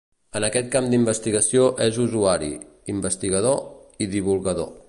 En aquest camp d’investigació és usuari, investigador i divulgador.